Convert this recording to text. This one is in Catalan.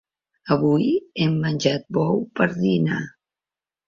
Avui hem menjat bou per dinar.